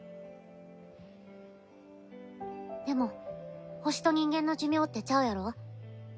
でも惑星と人間の寿命ってちゃうやろ？